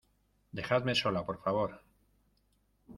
dejadme sola, por favor